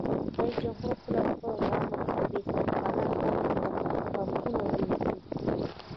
رئیس جمهور خپلو عسکرو ته امر وکړ؛ بې سرپناه خلکو ته کمپونه جوړ کړئ!